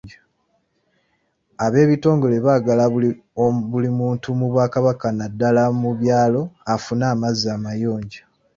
Ab'ekitongole baagala buli muntu mu Bwakabaka naddala mu byalo afune amazzi amayonjo.